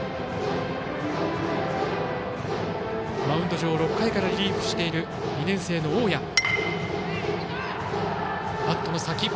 マウンド上６回からリリーフしている２年生の大矢。